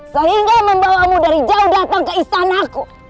sehingga membawamu dari jauh datang ke istanaku